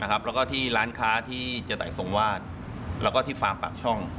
แล้วก็ที่ร้านค้าที่เจตัยทรงวาดแล้วก็ที่ฟาร์มปากช่อง